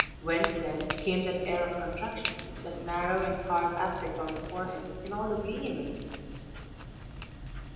Whence, then, came that air of contraction that narrow and hard aspect on his forehead, in all his lineaments?